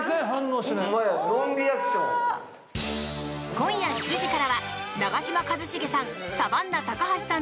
今夜７時からは長嶋一茂さん